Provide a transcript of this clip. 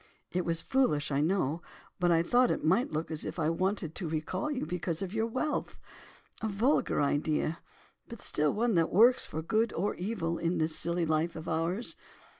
It was foolish, I know, but I thought it might look as if I wanted to recall you because of your wealth—a vulgar idea, but still one that works for good or evil in this silly life of ours.